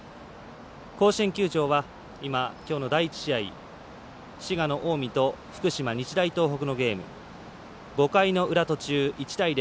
甲子園球場は、きょうの第１試合滋賀、近江と福島、日大東北のゲーム５回の裏、途中、１対０。